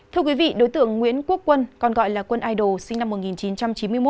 thưa quý vị đối tượng nguyễn quốc quân còn gọi là quân idol sinh năm một nghìn chín trăm chín mươi một